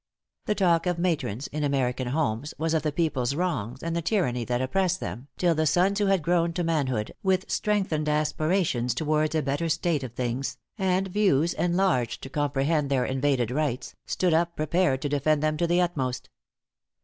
The talk of matrons, in American homes, was of the people's wrongs, and the tyranny that oppressed them, till the sons who had grown to manhood, with strengthened aspirations towards a better state of things, and views enlarged to comprehend their invaded rights, stood up prepared to defend them to the utmost.